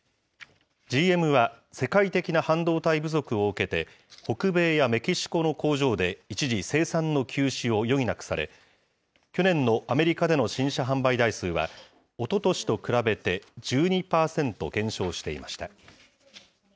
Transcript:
ＧＭは世界的な半導体不足を受けて、北米やメキシコの工場で一時、生産の休止を余儀なくされ、去年のアメリカでの新車販売台数は、おととしと比べて１２％減少していました。